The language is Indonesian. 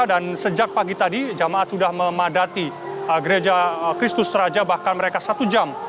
dan sejak pagi tadi jemaat sudah memadati gereja kristus raja bahkan mereka satu jam